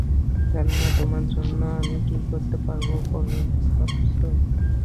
জানি না তোমার জন্য আমি কী করতে পারবো বলে ভাবছো।